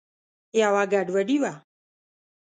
یوه ګډوډي وه.